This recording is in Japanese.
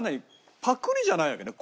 パクリじゃないわけね？